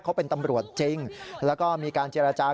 เขาเป็นตำรวจจริงแล้วก็มีการเจรจา